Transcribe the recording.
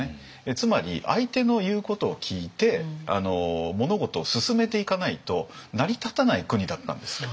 つまり相手の言うことを聞いて物事を進めていかないと成り立たない国だったんですよ。